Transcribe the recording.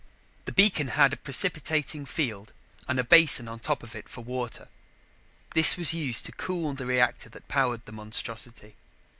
The beacon had a precipitating field and a basin on top of it for water; this was used to cool the reactor that powered the monstrosity.